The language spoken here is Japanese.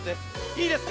いいですか？